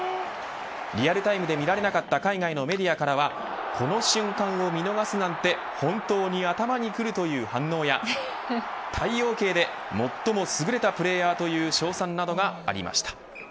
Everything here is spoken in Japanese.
リアルタイムで見られなかった海外のメディアからはこの瞬間を見逃すなんて本当に頭にくるという反応や太陽系で最も優れたプレーヤーという称賛などがありました。